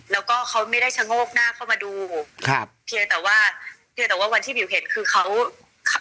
แล้วก็เขาไม่ได้ชะโงกหน้าเข้ามาดูครับเพียงแต่ว่าเพียงแต่ว่าวันที่บิวเห็นคือเขาขับ